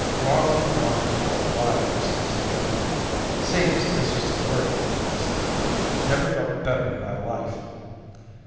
Marla wanted to know why I seemed so jumpy. "Seems is just the word," I snapped. "Never felt better in my life."